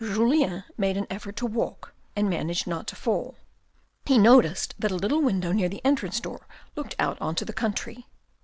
Julian made an effort to walk, and managed not to fall. He noticed that a little window near the entrance door looked out on to the country.